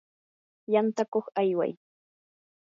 yantakuq ayway.